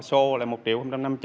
so là một triệu hai trăm năm mươi